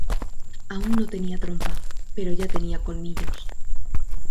Aún no tenía trompa, pero ya tenía colmillos.